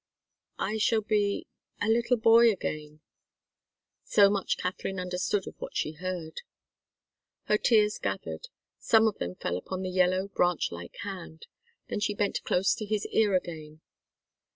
"I shall be a little boy again." So much Katharine understood of what she heard. Her tears gathered. Some of them fell upon the yellow, branch like hand. Then she bent close to his ear again.